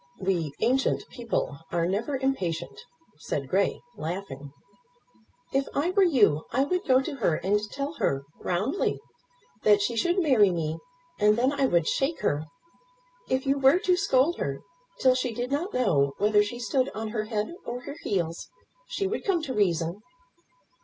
"We ancient people are never impatient," said Grey, laughing. "If I were you I would go to her and tell her, roundly, that she should marry me, and then I would shake her. If you were to scold her, till she did not know whether she stood on her head or her heels, she would come to reason."